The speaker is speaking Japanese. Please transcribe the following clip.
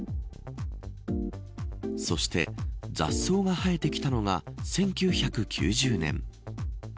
そして雑草が生えてきたのが１９９０年。